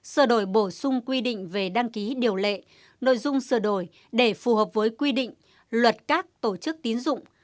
sửa đổi bổ sung quy định về đăng ký điều lệ nội dung sửa đổi để phù hợp với quy định luật các tổ chức tín dụng